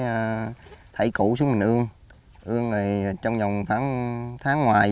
mất gần hai tháng bông súng mới bán được cứ cách sáu đến bảy ngày thì thu hoạch một lần